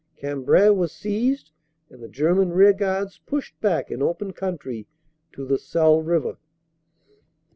Cambrai was seized and the German rearguards pushed back in open country to the Selle river.